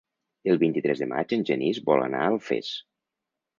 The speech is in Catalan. El vint-i-tres de maig en Genís vol anar a Alfés.